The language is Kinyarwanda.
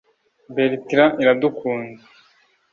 Bertrand Iradukunda